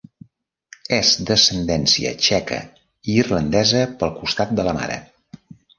És d'ascendència txeca i irlandesa pel costat de la mare.